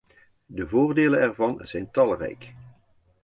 De voordelen ervan zijn talrijk.